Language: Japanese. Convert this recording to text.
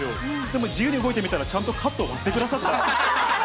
でも自由に動いてみたら、ちゃんとカットを割ってくださった。